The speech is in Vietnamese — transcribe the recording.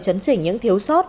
chấn chỉnh những thiếu sót